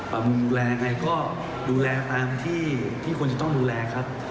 ำดูแลยังไงก็ดูแลตามที่ควรจะต้องดูแลครับ